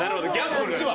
こっちは。